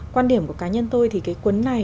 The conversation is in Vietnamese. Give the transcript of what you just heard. quan điểm của cá nhân tôi thì cái cuốn này